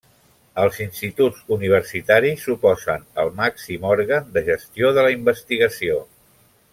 Els instituts universitaris suposen el màxim òrgan de gestió de la investigació.